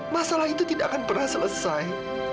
masalah itu tidak akan pernah selesai